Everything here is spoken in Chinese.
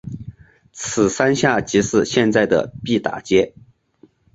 此山下即是现在的毕打街。